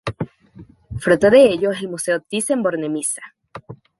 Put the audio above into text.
Fruto de ello es el Museo Thyssen-Bornemisza.